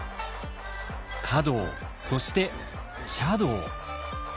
華道そして茶道。